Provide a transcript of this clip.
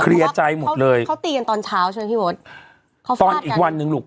เคลียร์ใจหมดเลยเขาตีกันตอนเช้าใช่ไหมพี่บทเขาฝากกันตอนอีกวันหนึ่งลูก